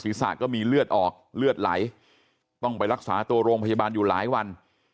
ก็มีเลือดออกเลือดไหลต้องไปรักษาตัวโรงพยาบาลอยู่หลายวัน